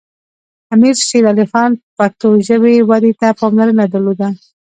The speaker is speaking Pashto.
امیر شیر علی خان پښتو ژبې ودې ته پاملرنه درلوده.